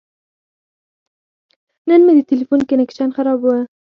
نن مې د تلیفون کنکشن خراب و.